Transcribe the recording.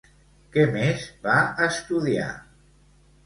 Qué més va estudiar?